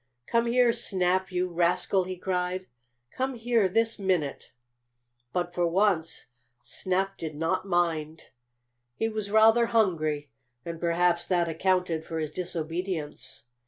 "Come here, Snap, you rascal!" he cried. "Come here this minute!" But for once Snap did not mind. He was rather hungry, and perhaps that accounted for his disobedience.